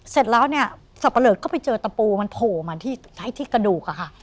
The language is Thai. เสร็จแล้วเนี่ยสับปะเลอก็ไปเจอตะปูมันโผล่มาที่กระดูกอะค่ะ